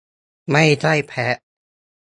ไม่ใช่แพะ